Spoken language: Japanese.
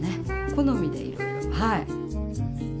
好みでいろいろ。